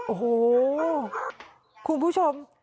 โอ้โหคุณผู้ชม